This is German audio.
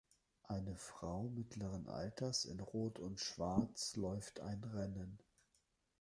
Eine Frau mittleren Alters in Rot und Schwarz läuft ein Rennen.